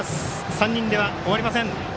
３人では終わりません。